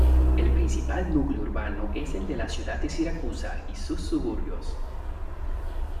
El principal núcleo urbano es el de la ciudad de Siracusa y sus suburbios.